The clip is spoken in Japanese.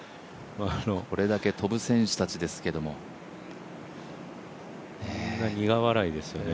これだけ飛ぶ選手たちですけど、ねえみんな苦笑いですよね。